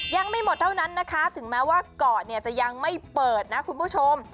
ยังไม่หมดเท่านั้นนะคะถึงแม้ว่าเกาะเนี่ยจะยังไม่เปิดนะคุณผู้ชม